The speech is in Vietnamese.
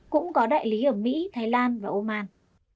cũng có đại lý ở mỹ thái lan và oman